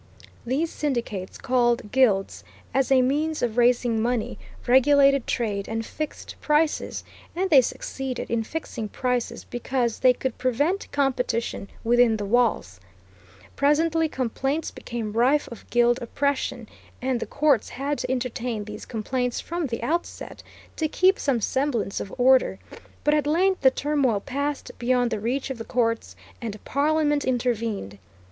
These syndicates, called guilds, as a means of raising money, regulated trade and fixed prices, and they succeeded in fixing prices because they could prevent competition within the walls. Presently complaints became rife of guild oppression, and the courts had to entertain these complaints from the outset, to keep some semblance of order; but at length the turmoil passed beyond the reach of the courts, and Parliament intervened.